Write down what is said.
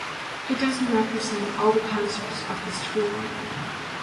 It doesn't represent all the concerts of this tour.